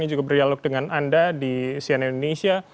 ini juga berdialog dengan anda di cnn indonesia